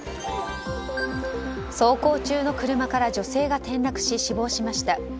走行中の車から女性が転落し、死亡しました。